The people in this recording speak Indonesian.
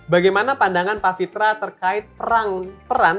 bagaimana pandangan pak fitra terkait perang